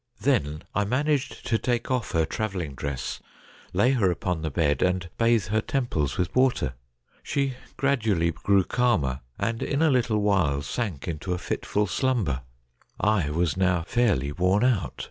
Then I managed to take off her travelling dress, lay her upon the bed, and bathe her tem ples with water. She gradually grew calmer, and in a little while sank into a fitful slumber. I was now fairly worn out.